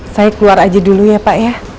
saya keluar aja dulu ya pak ya